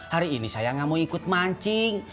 hari ini saya nggak mau ikut mancing